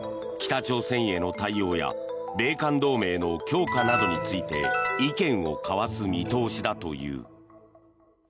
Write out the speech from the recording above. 北朝鮮への対応や米韓同盟の強化などについて意見を交わす見通しだという。